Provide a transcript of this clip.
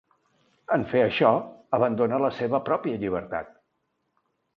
En fer això, abandona la seva pròpia llibertat.